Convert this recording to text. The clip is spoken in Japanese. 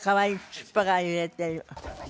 尻尾が揺れてる。